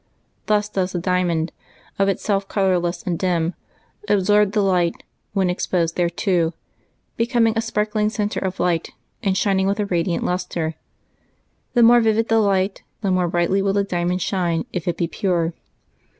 Thus does the diamond, of itself colorless and dim, absorb the light when exposed thereto, becoming a sparkling centre of light and shining with a radiant lustre. The more vivid the light, the more brightly will the diamond shine, if it be pure.